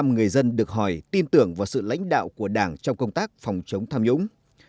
chín mươi ba người dân được hỏi tin tưởng vào sự lãnh đạo của đảng trong công tác phòng chống tham nhũng